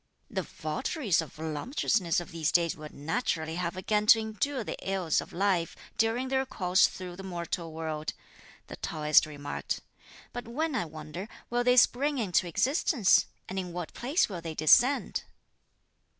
"The votaries of voluptuousness of these days will naturally have again to endure the ills of life during their course through the mortal world," the Taoist remarked; "but when, I wonder, will they spring into existence? and in what place will they descend?"